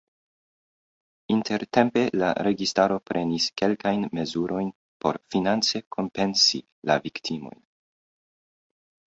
Intertempe la registaro prenis kelkajn mezurojn por finance kompensi la viktimojn.